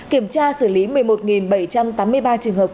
kiểm tra xử lý một mươi một bảy trăm tám mươi ba trường hợp